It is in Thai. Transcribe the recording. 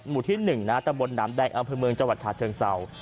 หมู่ที่หนึ่งนะฮะตำบลน้ำแดงอำเภอเมืองจังหวัดชาติเชิงเศร้า